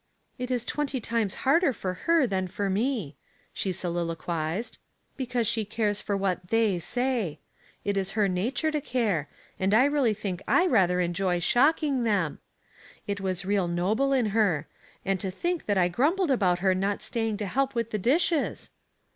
"It is twenty time& harder for her than for me," she soliloquized ;" because she cares for what * they ' say. It is her nature to care, and I really think I rather enjoy shocking ' them.' It was real noble in her. And to think that I grumbled about her not staying to help with the dishes!